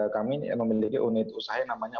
kami memiliki unit usaha yang namanya